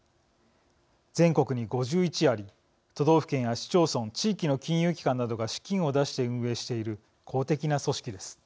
全国に５１あり都道府県や市町村地域の金融機関などが資金を出して運営している公的な組織です。